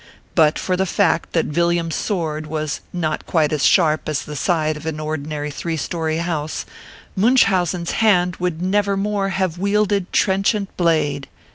But for the fact that Villiam s sword was not quite as sharp as the side of an ordinary three story house, Munchausen s hand would never more have wielded trenchant blade.